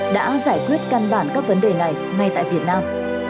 đã giải quyết căn bản các vấn đề này ngay tại việt nam